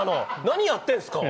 何やってんすか？